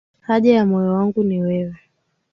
Haja ya moyo wangu ni wewe.